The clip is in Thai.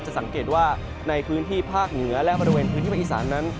สังเกตว่าในพื้นที่ภาคเหนือและบริเวณพื้นที่ภาคอีสานนั้น